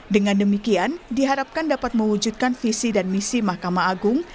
dengan demikian diharapkan dapat mewujudkan visi dan misi mahkamah agung